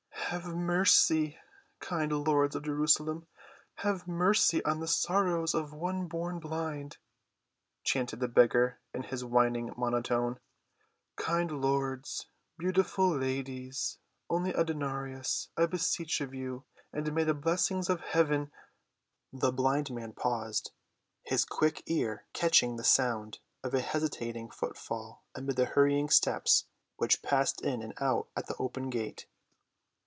"Have mercy, kind lords of Jerusalem; have mercy on the sorrows of one born blind!" chanted the beggar in his whining monotone. "Kind lords, beautiful ladies, only a denarius, I beseech of you, and may the blessings of heaven—" The blind man paused, his quick ear catching the sound of a hesitating footfall amid the hurrying steps which passed in and out at the open gate.